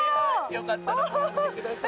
よかったらもらってください。